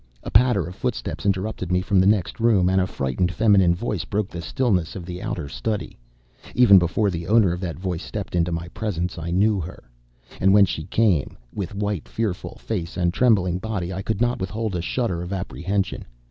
A patter of footsteps interrupted me from the next room, and a frightened, feminine voice broke the stillness of the outer study. Even before the owner of that voice stepped in to my presence, I knew her. And when she came, with white, fearful face and trembling body, I could not withhold a shudder of apprehension.